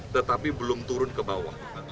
tetapi belum turun ke bawah